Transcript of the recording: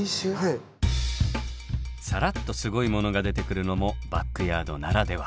さらっとすごいものが出てくるのもバックヤードならでは。